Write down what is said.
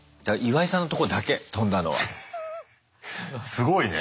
すごいね。